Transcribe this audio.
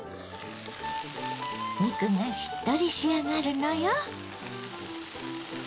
肉がしっとり仕上がるのよ。